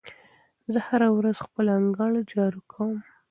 زه هره ورځ خپل انګړ جارو کوم.